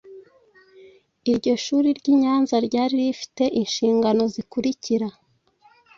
Iryo shuri ry'i Nyanza ryari rifite inshingano zikurikira